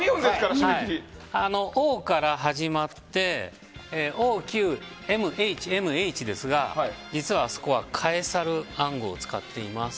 Ｏから始まってＯＱＭＨＭＨですが実はあそこはカエサル暗号を使っています。